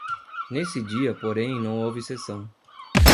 Nesse dia, porém, não houve sessão.